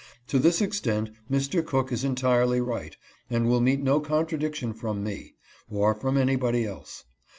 To this extent Mr. Cook is entirely right, and will meet no contradiction from me, or from any body else.